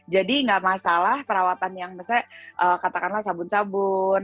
jadi gak masalah perawatan yang katakanlah sabun sabun